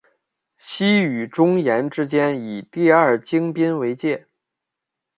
西与中延之间以第二京滨为界。